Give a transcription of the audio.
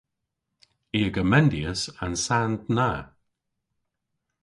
I a gomendyas an sand na.